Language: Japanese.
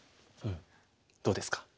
どうですか？